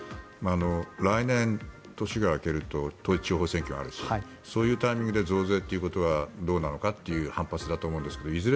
来年、年が明けると統一地方選挙があるしそういうタイミングで増税ということはどうなのかという反発だと思うんですけどいずれ